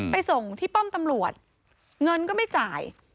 ส่งที่ป้อมตำรวจเงินก็ไม่จ่าย